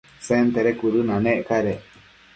Sentede cuëdënanec cadec